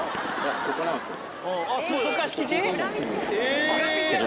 ここなんですけど。